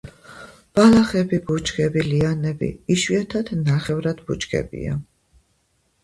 ბალახები ბუჩქები, ლიანები, იშვიათად ნახევრად ბუჩქებია.